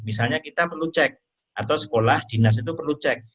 misalnya kita perlu cek atau sekolah dinas itu perlu cek